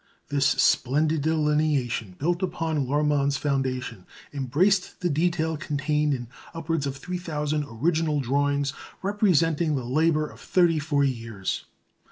This splendid delineation, built upon Lohrmann's foundation, embraced the detail contained in upwards of 3,000 original drawings, representing the labour of thirty four years.